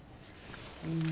うん。